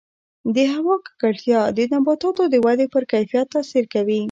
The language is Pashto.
د هوا ککړتیا د نباتاتو د ودې پر کیفیت تاثیر لري.